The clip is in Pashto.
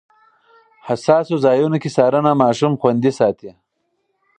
حساسو ځایونو کې څارنه ماشوم خوندي ساتي.